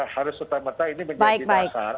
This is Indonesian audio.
harus serta merta ini menjadi dasar